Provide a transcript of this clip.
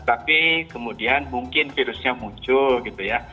tapi kemudian mungkin virusnya muncul gitu ya